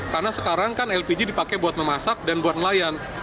karena sekarang kan lpg dipakai buat memasak dan buat nelayan